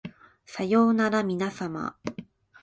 さようならみなさま